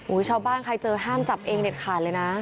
ชาวบ้านใครเจอห้ามจับเองเด็ดขาดเลยนะ